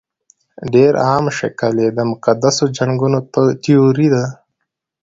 ډېر عام شکل یې د مقدسو جنګونو تیوري ده.